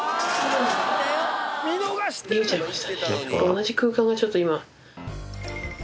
同じ空間がちょっと今。